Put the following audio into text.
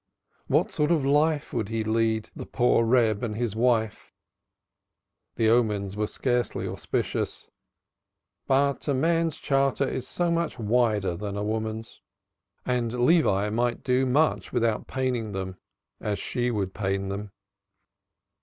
What sort of life would he lead the poor Reb and his wife? The omens were scarcely auspicious; but a man's charter is so much wider than a woman's; and Levi might do much without paining them as she would pain them.